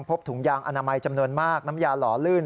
ถุงยางอนามัยจำนวนมากน้ำยาหล่อลื่น